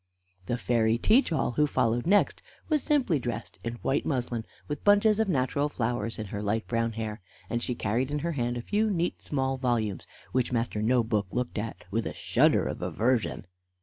The fairy Teach all, who followed next, was simply dressed in white muslin, with bunches of natural flowers in her light brown hair, and she carried in her hand a few neat small volumes, which Master No book looked at with a shudder of aversion.